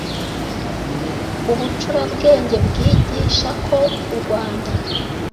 Ubucurabwenge bwigisha ko u Rwanda